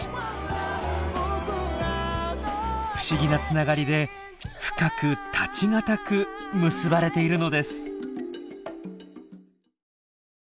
不思議なつながりで深く絶ち難く結ばれているのです。